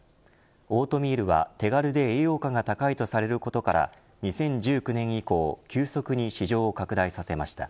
オートミールは、手軽で栄養価が高いとされることから２０１９年以降急速に市場を拡大させました。